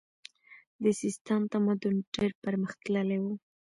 د سیستان تمدن ډیر پرمختللی و